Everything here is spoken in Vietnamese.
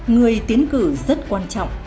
người tiến cử rất quan trọng